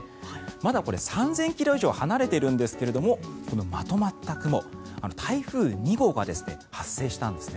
まだ３０００ｋｍ以上離れているんですけどもこのまとまった雲台風２号が発生したんです。